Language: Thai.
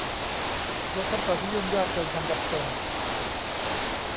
ลดขั้นตอนที่ยุ่งยากเกินความจำเป็น